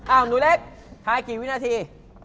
หนูเล็กทายกี่วินาที